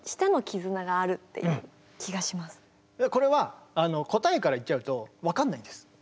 これは答えから言っちゃうと分かんないんです。